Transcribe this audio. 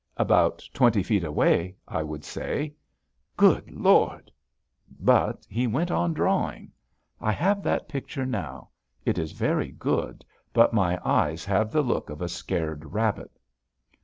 "About twenty feet away," I would say. "Good Lord!" But he went on drawing. I have that picture now. It is very good, but my eyes have the look of a scared rabbit.